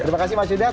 terima kasih mas dias